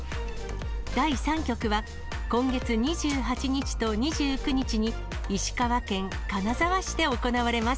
第３局は今月２８日と２９日に、石川県金沢市で行われます。